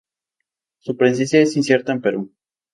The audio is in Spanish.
Su presencia es incierta en Perú.